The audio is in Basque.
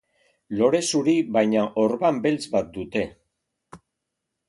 Lore zuri baina orban beltz bat dute.